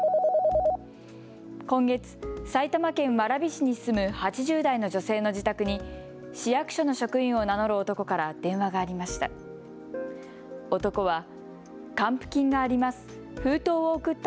今月、埼玉県蕨市に住む８０代の女性の自宅に市役所の職員を名乗る男から電話がありました。